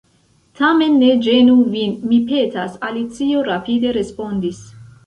"Tamen ne ĝenu vin, mi petas," Alicio rapide respondis.